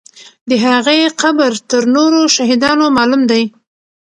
د هغې قبر تر نورو شهیدانو معلوم دی.